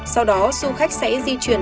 sau đó du khách sẽ di chuyển